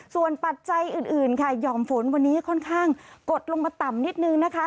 ส่วนปัจจัยอื่นค่ะห่อมฝนวันนี้ค่อนข้างกดลงมาต่ำนิดนึงนะคะ